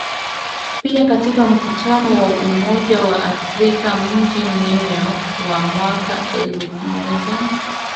pia katika Mkutano wa Umoja wa Afrika mjini New York wa mwaka elfu moja